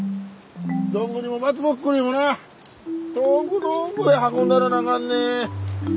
どんぐりも松ぼっくりもな遠く遠くへ運んだらなあかんねん。